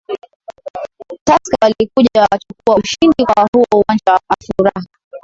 tusker walikuja wakachukua ushindi kwa huo uwanja wa afuraha